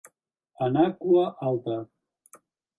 Anar cua alta.